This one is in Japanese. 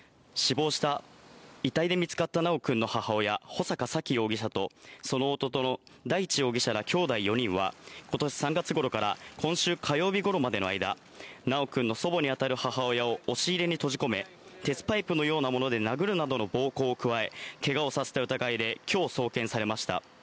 遺体で見つかった修くんの母親、穂坂沙喜容疑者と、その弟の大地容疑者らきょうだい４人は、ことし３月ごろから、今週火曜日ごろまでの間、修くんの祖母に当たる母親を押し入れに閉じ込め、鉄パイプのようなもので殴るなどの暴行を加え、けがをさせた疑いできょう送検されました。